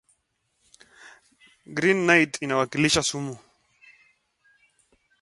The Green Knight represents Poison.